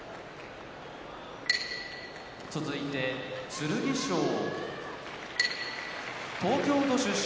剣翔東京都出身